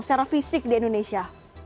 secara fisik di indonesia